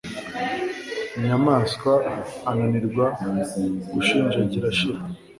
nyamwasa ananirwa gushinjagira ashira